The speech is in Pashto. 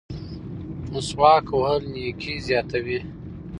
مسواک وهل نیکي زیاتوي.